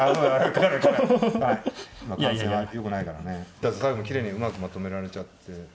だって最後もきれいにうまくまとめられちゃって。